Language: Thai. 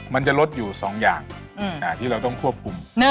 มันจะลดอยู่๒อย่างที่เราต้องควบคุม